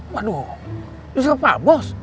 waduh disuruh apa bos